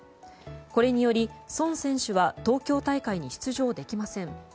これにより、ソン選手は東京大会に出場できません。